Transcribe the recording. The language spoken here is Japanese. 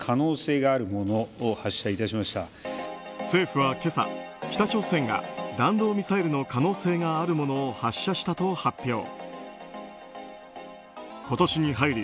政府は今朝、北朝鮮が弾道ミサイルの可能性があるものを発射したと発表。